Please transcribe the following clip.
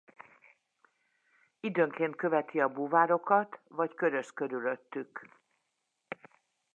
Időnként követi a búvárokat vagy köröz körülöttük.